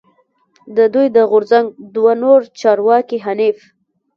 د دوی د غورځنګ دوه نور چارواکی حنیف